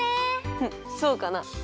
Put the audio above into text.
フッそうかな。